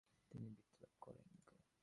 তিনি বৃত্তি লাভ করেন।